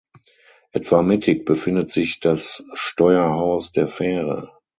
Etwa mittig befindet sich das Steuerhaus der Fähre.